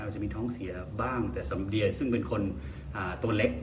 จะมีท้องเสียบ้างแต่สำเดียซึ่งเป็นคนตัวเล็ก